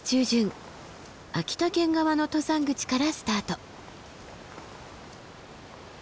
秋田県側の登山口からスタート。